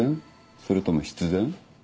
それとも必然？